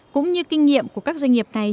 cũng như kinh nghiệm của các doanh nghiệp này